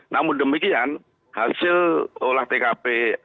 namun demikian hasil olah tkp awal olah tkp traffic action